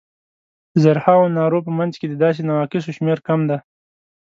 د زرهاوو نارو په منځ کې د داسې نواقصو شمېر کم دی.